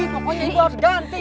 pokoknya ibu harus ganti